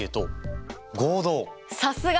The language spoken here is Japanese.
さすが！